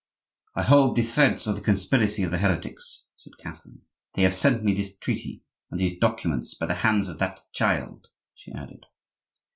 "I hold the threads of the conspiracy of the heretics," said Catherine. "They have sent me this treaty and these documents by the hands of that child," she added.